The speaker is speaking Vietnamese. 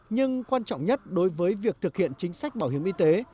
nhưng quan trọng nhất đối với việc thực hiện chính sách bảo hiểm y tế